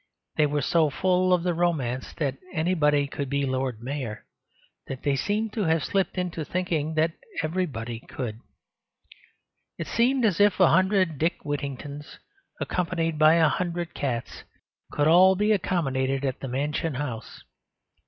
They were so full of the romance that anybody could be Lord Mayor, that they seemed to have slipped into thinking that everybody could. It seemed as if a hundred Dick Whittingtons, accompanied by a hundred cats, could all be accommodated at the Mansion House.